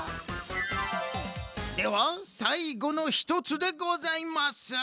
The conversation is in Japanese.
ではさいごの１つでございます。